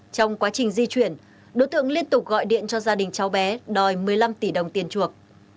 trong quá trình di chuyển đối tượng liên tục gọi điện cho gia đình cháu bé đòi một mươi năm tỷ đồng tiền chuộc